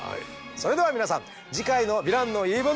それでは皆さん次回の「ヴィランの言い分」